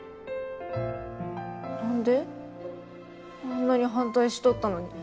あんなに反対しとったのに。